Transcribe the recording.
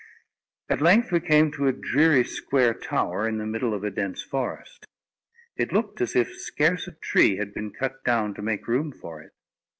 At length we came to a dreary square tower, in the middle of a dense forest. It looked as if scarce a tree had been cut down to make room for it.